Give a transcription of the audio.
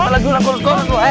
balaguran kurus kurus lu